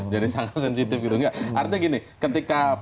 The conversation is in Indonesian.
jadi sangat sensitif gitu artinya gini ketika